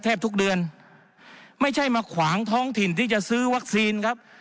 ทุกเดือนไม่ใช่มาขวางท้องถิ่นที่จะซื้อวัคซีนครับ